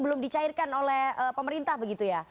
belum dicairkan oleh pemerintah begitu ya